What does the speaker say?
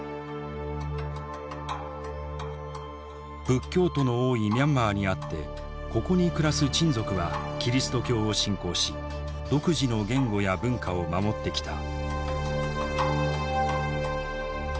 仏教徒の多いミャンマーにあってここに暮らすチン族はキリスト教を信仰し独自の言語や文化を守ってきた。